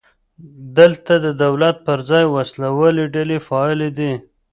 دلته د دولت پر ځای وسله والې ډلې فعالې دي.